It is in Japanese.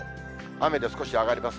雨で少し上がります。